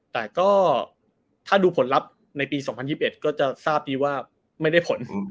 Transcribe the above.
แต่ก็ถ้าดูผลลัพธ์ในปี๒๐๒๑ก็จะทราบดีว่าไม่ได้ผล